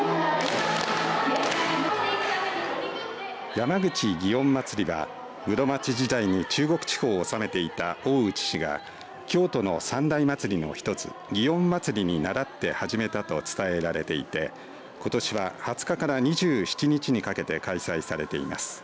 山口祇園祭は室町時代に中国地方を治めていた大内氏が京都の三大祭りの一つ祇園祭にならって始めたと伝えられていてことしは２０日から２７日にかけて開催されています。